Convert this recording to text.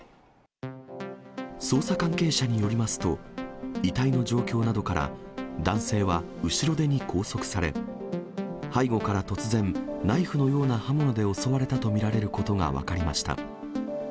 捜査関係者によりますと、遺体の状況などから、男性は後ろ手に拘束され、背後から突然、ナイフのような刃物で襲われたと見られることが分かりました。